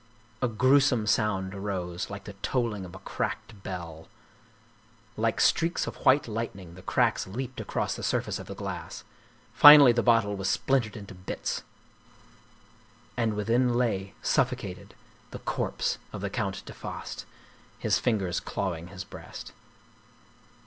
A grewsome sound arose, like the tolling of a cracked bell. Like streaks of white lightning the cracks leaped across the surface of the glass. Finally the bottle was splin tered into bits. And within lay, suffocated, the corpse of the Count de Faast, his fingers clawing his breast.